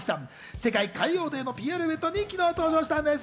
世界海洋デーのＰＲイベントに昨日登場したんです。